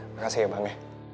makasih ya bang